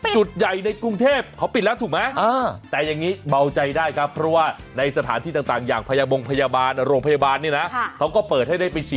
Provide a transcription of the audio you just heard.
จุดใหญ่ในกรุงเทพ